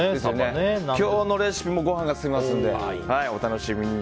今日のレシピもご飯が進みますのでお楽しみに。